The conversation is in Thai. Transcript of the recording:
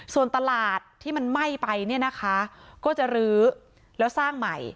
ส่วนตลาดที่มันไหม้ไปเนี่ยนะคะก็จะรื้อแล้วสร้างใหม่